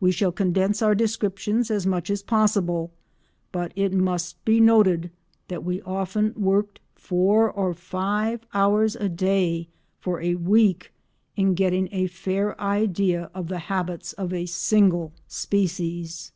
We shall condense our descriptions as much as possible, but it must be noted that we often worked four or five hours a day for a week in getting a fair idea of the habits of a single species."